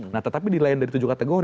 nah tetapi dilayan dari tujuh kategori